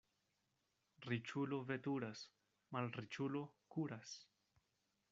Riĉulo veturas, malriĉulo kuras.